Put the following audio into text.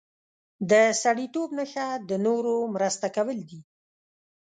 د سړیتوب نښه د نورو مرسته کول دي.